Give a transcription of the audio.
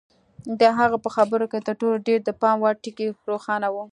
د هغه په خبرو کې تر ټولو ډېر د پام وړ ټکی روښانه و.